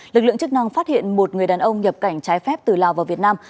lực lượng chức năng phát hiện một người đàn ông nhập cảnh trái phép từ lào vào việt nam